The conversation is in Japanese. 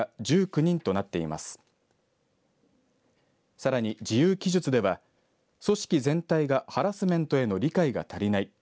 さらに自由記述では組織全体がハラスメントへの理解が足りない。